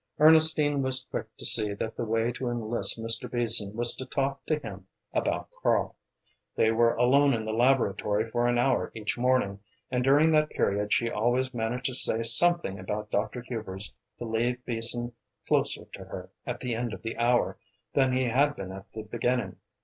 Ernestine was quick to see that the way to enlist Mr. Beason was to talk to him about Karl. They were alone in the laboratory for an hour each morning, and during that period she always managed to say something about Dr. Hubers to leave Beason closer to her at the end of the hour than he had been at the beginning.